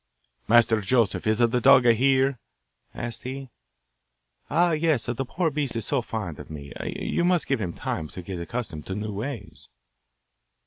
'Master Joseph, is the dog here?' asked he. 'Ah! yes, the poor beast is so fond of me! You must give him time to get accustomed to new ways.